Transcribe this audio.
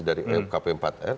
dari ukp empat r